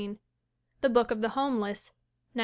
The Book of the Homeless, 1915.